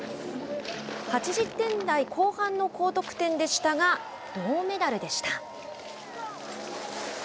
８０点代後半の高得点でしたが銅メダルでした。